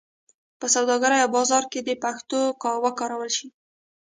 په سوداګرۍ او بازار کې دې پښتو وکارول شي.